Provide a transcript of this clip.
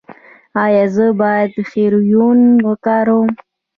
ایا زه باید هیرویین وکاروم؟